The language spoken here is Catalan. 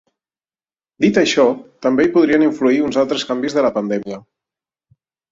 Dit això, també hi podrien influir uns altres canvis de la pandèmia.